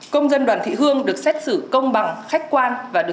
công dân đoàn thị hương được xét xử công bằng khách quan và được trả tự do